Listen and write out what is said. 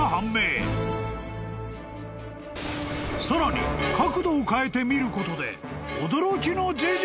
［さらに角度を変えて見ることで］